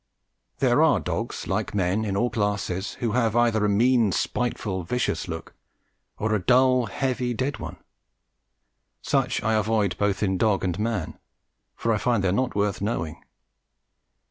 There are dogs like men in all classes, who have either a mean, spiteful, vicious look, or a dull, heavy, dead one; such I avoid both in dog and man, for I find they are not worth knowing.